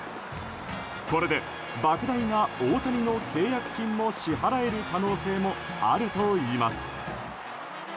これで、莫大な大谷の契約金も支払える可能性もあるといいます。